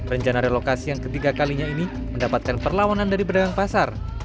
rencana relokasi yang ketiga kalinya ini mendapatkan perlawanan dari pedagang pasar